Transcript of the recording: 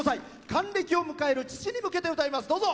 還暦を迎える父に向けて歌います。